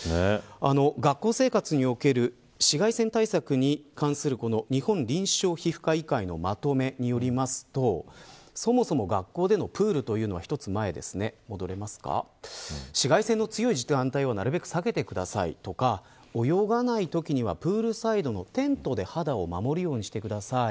学校生活における紫外線対策に関する日本臨床皮膚科医会のまとめによりますとそもそも学校でのプールというのは紫外線の強い時間帯はなるべく避けてくださいとか泳がないときにはプールサイドのテントで肌を守るようにしてください。